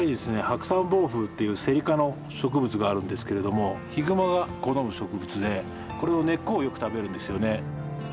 ハクサンボウフウっていうセリ科の植物があるんですけれどもヒグマが好む植物でこれの根っこをよく食べるんですよね。